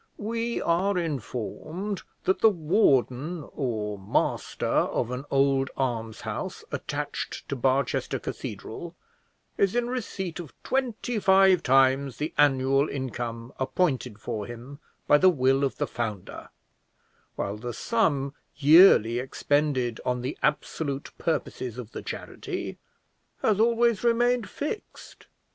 We are informed that the warden or master of an old almshouse attached to Barchester Cathedral is in receipt of twenty five times the annual income appointed for him by the will of the founder, while the sum yearly expended on the absolute purposes of the charity has always remained fixed.